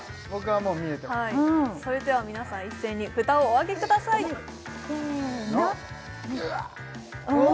はいそれでは皆さん一斉に札をお上げくださいせーのうわあっ！